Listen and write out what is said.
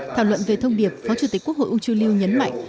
thảo luận về thông điệp phó chủ tịch quốc hội u chu lưu nhấn mạnh